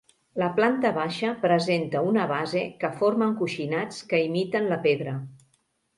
La planta baixa presenta una base que forma encoixinats que imiten la pedra.